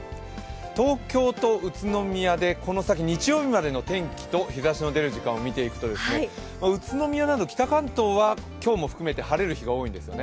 東京と宇都宮でこの先、日曜日までの天気と日ざしの出る時間を見ていくと宇都宮など北関東は今日も含めて晴れる日が多いんですね。